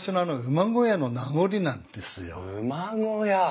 馬小屋？